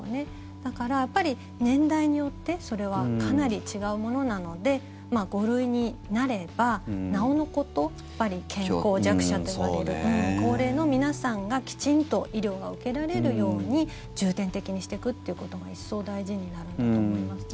だから、年代によってそれはかなり違うものなので５類になれば、なおのこと健康弱者と呼ばれる高齢の皆さんがきちんと医療が受けられるように重点的にしていくっていうことが一層大事になるんだと思いますね。